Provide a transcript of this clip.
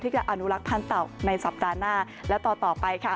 ที่จะอนุลักษณ์พันธุ์เต่าในสัปดาห์หน้าและต่อไปค่ะ